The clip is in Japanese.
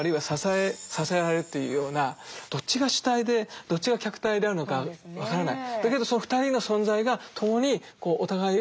どっちが主体でどっちが客体であるのか分からない。